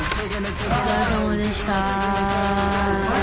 お疲れさまでした。